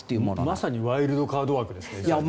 まさにワイルドカード枠ですね。